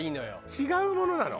違うものなの。